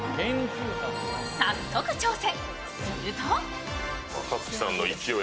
早速、挑戦。